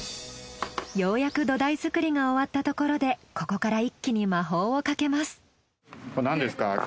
ようやく土台作りが終わったところでここから一気に魔法をかけます。